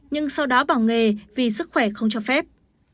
nhưng sau đó bỏ nghề vì sức khỏe không cho phép